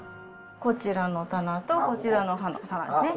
こちらの棚とこちらの棚ですね。